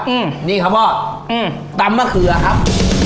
อืมนี่ครับพ่ออืมตำมะเขือครับ